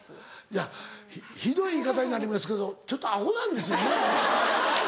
いやひどい言い方になりますけどちょっとアホなんですよね。